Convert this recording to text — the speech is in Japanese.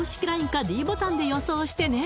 ＬＩＮＥかｄボタンで予想してね